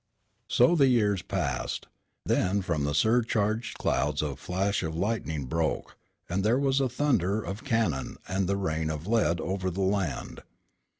So the years passed. Then from the surcharged clouds a flash of lightning broke, and there was the thunder of cannon and the rain of lead over the land.